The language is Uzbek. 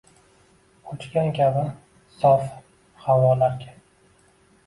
Ochgan kabi sof gʻavolarga